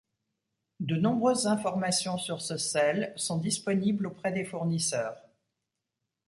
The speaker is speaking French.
De nombreuses informations sur ce sel sont disponibles auprès des fournisseurs.